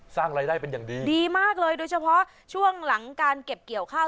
สร้างรายได้เป็นอย่างดีดีมากเลยโดยเฉพาะช่วงหลังการเก็บเกี่ยวข้าว